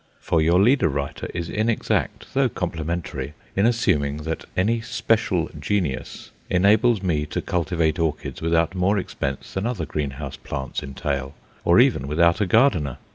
For your leader writer is inexact, though complimentary, in assuming that any 'special genius' enables me to cultivate orchids without more expense than other greenhouse plants entail, or even without a gardener.